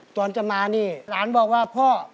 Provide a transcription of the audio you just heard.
ตอนจะมานี่หลานบอกว่าพ่อ